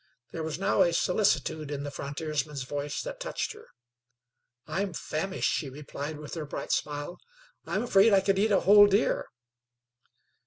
There was now a solicitude in the frontiersman's voice that touched her. "I am famished," she replied, with her bright smile. "I am afraid I could eat a whole deer."